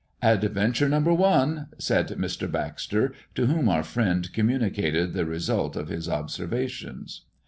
"Adventure number one!" said Mr. Baxter, to whom our friend communicated the result of his observations.